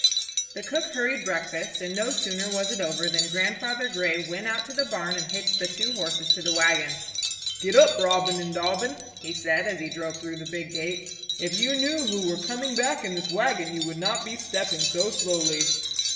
The cook hurried breakfast, and no sooner was it over than Grandfather Grey went out to the barn and hitched the two horses to the wagon. [Footnote 12: From "More Mother Stories," Milton Bradley Company.] "Get up, Robin and Dobbin!" he said, as he drove through the big gate. "If you knew who were coming back in this wagon you would not be stepping so slowly."